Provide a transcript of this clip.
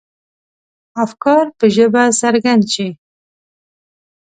افکار په ژبه څرګند شي.